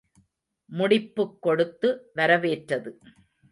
முடிப்புக் கொடுத்து வரவேற்றது.